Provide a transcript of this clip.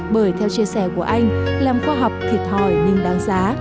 bởi theo chia sẻ của anh làm khoa học thịt hỏi nhưng đáng giá